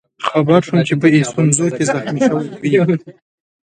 خبر شوم چې په ایسونزو کې زخمي شوی وئ.